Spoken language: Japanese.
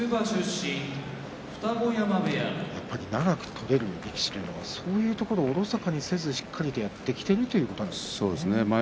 やっぱり長く取ることができる力士というのはそういうところをおろそかにせず、しっかりやってきているということですね。